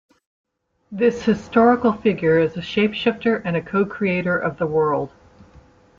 This historical figure is a shapeshifter and a cocreator of the world.